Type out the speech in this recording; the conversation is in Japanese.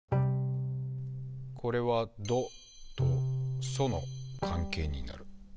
これは「ド」と「ソ」の関係になる。